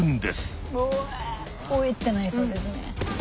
おえ「おえ」ってなりそうですね。